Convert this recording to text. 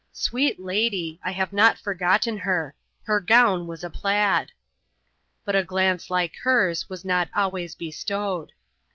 Sweet lady ! I have not forgotten her : her gown was a plaid. But a glance, like hers, was not always bestowed.